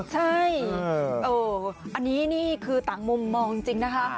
ใช่อันนี้นี่คือต่างมุมมองจริงนะคะ